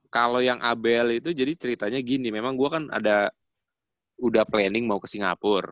kalo yang abl itu jadi ceritanya gini memang gua kan ada udah planning mau ke singapura